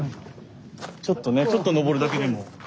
ちょっとねちょっと上るだけでも。